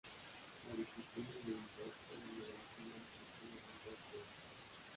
La disciplina militar era una de las primeras víctimas del golpe de Estado.